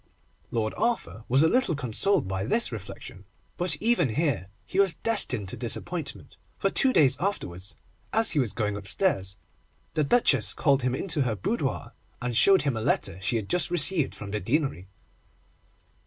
Lord Arthur was a little consoled by this reflection, but even here he was destined to disappointment, for two days afterwards, as he was going upstairs, the Duchess called him into her boudoir, and showed him a letter she had just received from the Deanery.